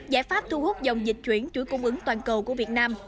giải pháp thu hút dòng dịch chuyển chuỗi cung ứng toàn cầu của việt nam